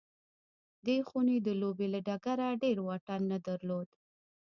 دې خونې د لوبې له ډګره ډېر واټن نه درلود